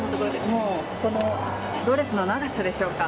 もうこのドレスの長さでしょうか。